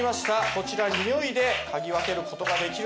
こちらにおいで嗅ぎ分ける事ができるのか？